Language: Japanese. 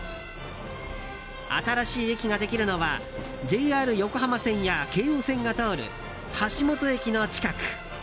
新しい駅ができるのはＪＲ横浜線や京王線が通る橋本駅の近く。